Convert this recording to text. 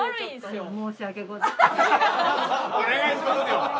お願いしますよ。